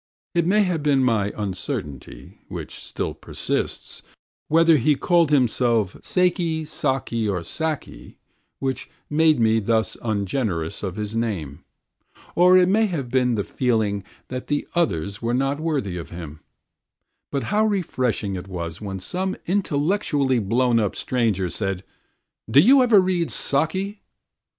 It may have been my uncertainty (which still persists) whether he called himself Sayki, Sahki or Sakki which made me thus ungenerous of his name, or it may have been the feeling that the others were not worthy of him; but how refreshing it was when some intellectually blown up stranger said "Do you ever read Saki?"